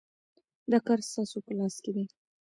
دا کار ستاسو په لاس کي دی.